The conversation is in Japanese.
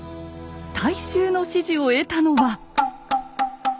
大衆の支持を得たのは。